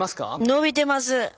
伸びてます。